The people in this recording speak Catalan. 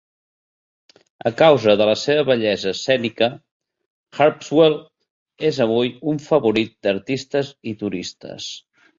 A causa de la seva bellesa escènica, Harpswell és avui un favorit d'artistes i turistes.